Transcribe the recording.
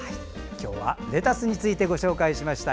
今日はレタスについてご紹介しました。